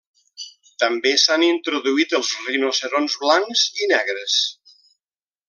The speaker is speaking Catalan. També s'han introduït els rinoceronts blancs i negres.